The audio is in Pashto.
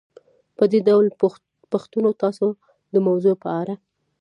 په دې ډول پوښتنو تاسې د موضوع په اړه